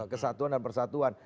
kesatuan dan persatuan